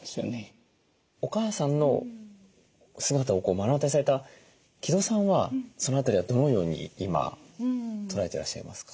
おかあさんの姿を目の当たりにされた城戸さんはその辺りはどのように今捉えてらっしゃいますか？